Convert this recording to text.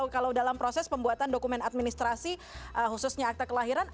kalau dalam proses pembuatan dokumen administrasi khususnya akta kelahiran